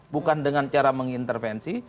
bukan dengan cara mengintervensi